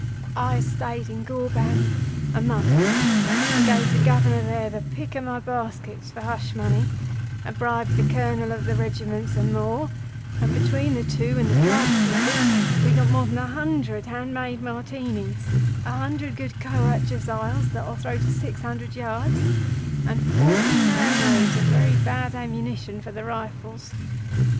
"I stayed in Ghorband a month, and gave the Governor the pick of my baskets for hush money, and bribed the colonel of the regiment some more, and, between the two and the tribes people, we got more than a hundred hand made Martinis, a hundred good Kohat Jezails that'll throw to six hundred yards, and forty manloads of very bad ammunition for the rifles.